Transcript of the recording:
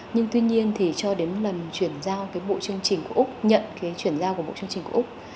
nhưng tuy nhiên thì cho đến lần truyền giao bộ chương trình của úc nhận truyền giao của bộ chương trình của úc